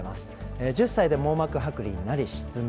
１０歳で網膜剥離になり失明。